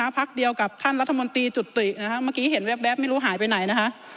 พักเดียวกับท่านรัฐมนตรีจุตินะฮะเมื่อกี้เห็นแว๊บไม่รู้หายไปไหนนะคะ